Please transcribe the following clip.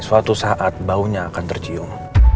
suatu saat baunya akan tercium